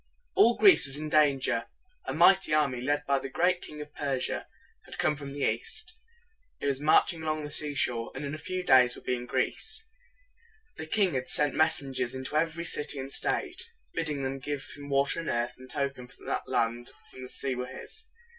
All Greece was in danger. A mighty army, led by the great King of Persia, had come from the east. It was marching along the seashore, and in a few days would be in Greece. The great king had sent mes sen gers into every city and state, bidding them give him water and earth in token that the land and the sea were his.